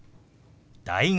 「大学」。